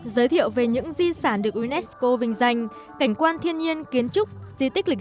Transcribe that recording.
giới thiệu về những di sản được unesco vinh danh cảnh quan thiên nhiên kiến trúc di tích lịch